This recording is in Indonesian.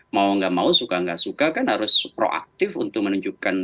mau nggak mau suka nggak suka kan harus proaktif untuk menunjukkan